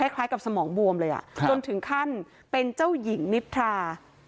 คล้ายกับสมองบวมเลยจนถึงขั้นเป็นเจ้าหญิงนิทรา